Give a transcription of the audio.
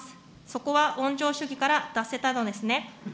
そこは温情主義から脱せたのですね。